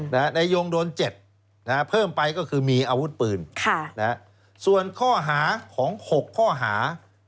นายยงโดน๗เพิ่มไปก็คือมีอาวุธปืนส่วนข้อหาของ๖ข้อหา